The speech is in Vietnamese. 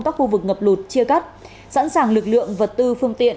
các khu vực ngập lụt chia cắt sẵn sàng lực lượng vật tư phương tiện